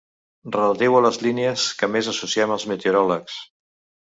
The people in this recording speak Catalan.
Relatiu a les línies que més associem als meteoròlegs.